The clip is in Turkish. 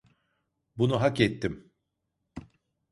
Bunu hakettim.